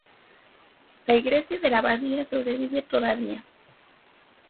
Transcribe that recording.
La iglesia de la abadía sobrevive todavía.